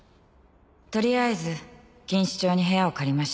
「とりあえず錦糸町に部屋を借りました」